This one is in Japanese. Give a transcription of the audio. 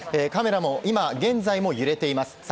カメラも今、現在も揺れています。